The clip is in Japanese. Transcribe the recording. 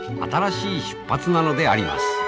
新しい出発なのであります。